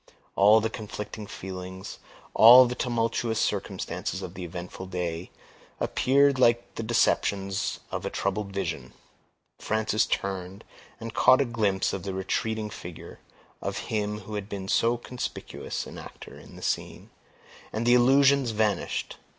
All the conflicting feelings, all the tumultuous circumstances of the eventful day, appeared like the deceptions of a troubled vision. Frances turned, and caught a glimpse of the retreating figure of him who had been so conspicuous an actor in the scene, and the illusion vanished.